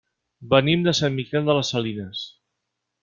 Venim de Sant Miquel de les Salines.